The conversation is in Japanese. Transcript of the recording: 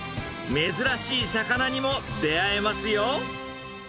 珍しい魚にも出会えますよ。